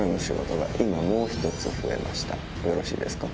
よろしいですか。